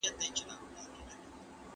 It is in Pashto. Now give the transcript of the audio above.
لا په اورونو کي تازه پاته ده